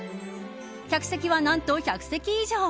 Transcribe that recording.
客席は、何と１００席以上。